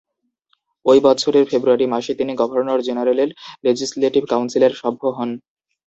ওই বৎসরের ফেব্রুয়ারি মাসে তিনি গভর্নর জেনারেলের লেজিসলেটিভ কাউন্সিলের সভ্য হন।